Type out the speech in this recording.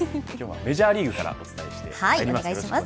今日はメジャーリーグからお伝えしていきます。